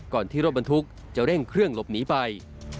ที่รถบรรทุกจะเร่งเครื่องหลบหนีไป